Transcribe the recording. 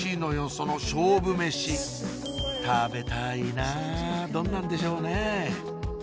その勝負メシ食べたいなどんなんでしょうねぇ？